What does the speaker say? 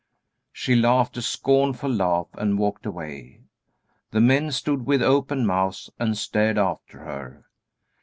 She laughed a scornful laugh and walked away. The men stood with open mouths and stared after her.